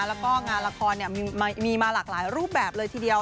แล้วก็งานละครมีมาหลากหลายรูปแบบเลยทีเดียว